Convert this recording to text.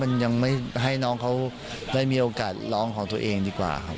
มันยังไม่ให้น้องเขาได้มีโอกาสร้องของตัวเองดีกว่าครับ